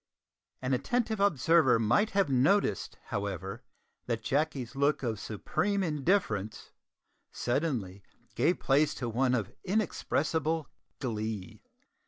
An attentive observer might have noticed, however, that Jacky's look of supreme indifference suddenly gave place to one of inexpressible glee.